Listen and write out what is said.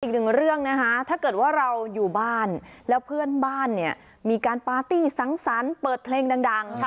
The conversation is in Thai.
อีกหนึ่งเรื่องนะคะถ้าเกิดว่าเราอยู่บ้านแล้วเพื่อนบ้านเนี่ยมีการปาร์ตี้สังสรรค์เปิดเพลงดังค่ะ